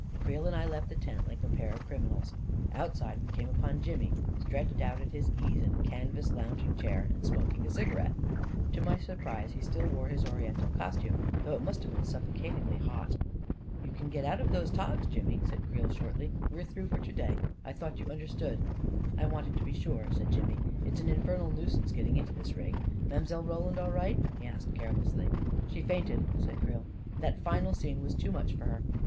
Creel and I left the tent like a pair of criminals. Outside we came upon Jimmy, stretched at his ease in a canvas lounging chair, and smoking a cigarette. To my surprise, he still wore his Oriental costume, though it must have been suffocatingly hot. "You can get out of those togs, Jimmy," said Creel, shortly. "We're through for to day. I thought you understood." " I wanted to be sure," said Jimmy. " It's an infernal nuisance getting into this rig. Mile. Ro land all right?" he asked carelessly. " She fainted," said Creel. " That final scene was too much for her.